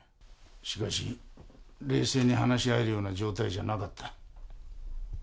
しかし冷静に話し合えるような状態じゃなかった。